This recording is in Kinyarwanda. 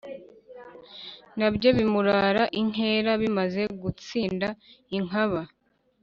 Na byo bimurara inkera, bimaze gusinda inkaba,